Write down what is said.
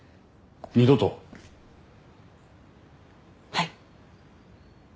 はい。